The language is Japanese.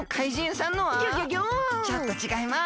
ちょっとちがいます！